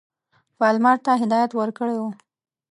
پالمر ته هدایت ورکړی وو.